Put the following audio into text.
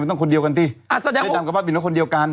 ไม่ต้องคนเดียวกันสิอ่าแสดงว่าเจ๊ดำกับบ้าบิ่นคนเดียวกัน